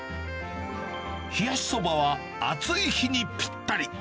冷やしそばは暑い日にぴったり。